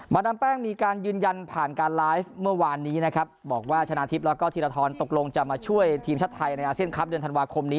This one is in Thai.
ดามแป้งมีการยืนยันผ่านการไลฟ์เมื่อวานนี้นะครับบอกว่าชนะทิพย์แล้วก็ธีรทรตกลงจะมาช่วยทีมชาติไทยในอาเซียนคลับเดือนธันวาคมนี้